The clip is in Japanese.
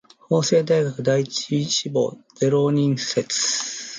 法政大学第一志望ゼロ人説